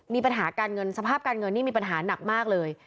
มีปัญหาการเงินสภาพการเงินนี่มีปัญหาหนักมากเลย